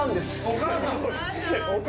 お母さん。